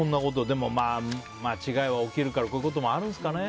でも、間違いは起きるからこういうことも起きるんですかね。